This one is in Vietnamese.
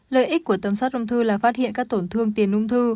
lợi ích của tầm soát ông thư là phát hiện các tổn thương tiền ông thư